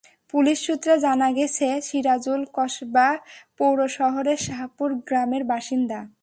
Police সূত্রে জানা গেছে, সিরাজুল কসবা পৌর শহরের শাহপুর গ্রামের বাসিন্দা।